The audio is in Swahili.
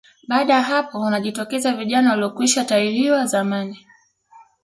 Baada ya hapo wanajitokeza vijana waliokwishatahiriwa zamani